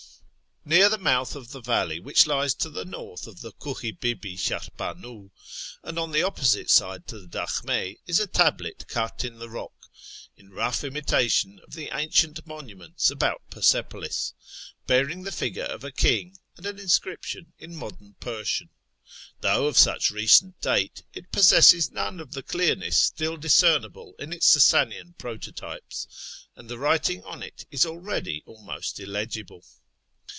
Near the mouth of the valley which lies to the north of the Kuh i Bibi Shahrbanu, and on the opposite side to the dakhmc, is a tablet cut in the rock (in rough imitation of the ancient monuments about Persepolis), bearing the figure of a king, and an inscription in modern Persian. Though of such recent date, it possesses none of the clearness still discernible in its Sasanian prototypes, and the writing on it is already almost illegible.